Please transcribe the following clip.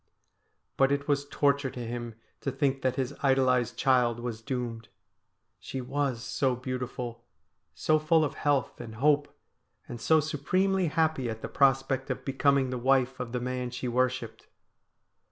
But it was torture to him to think that his idolised child was doomed. She was so beautiful, so full of health and hope ; and so supremely happy at the prospect of becoming the wife of the man she worshipped.